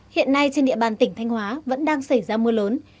hiện nay trên địa bàn tỉnh thanh hóa vẫn đang xảy ra mưa lớn